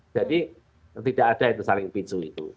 jadi tidak ada yang tersaling pisu itu